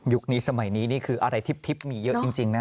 นี้สมัยนี้นี่คืออะไรทิพย์มีเยอะจริงนะ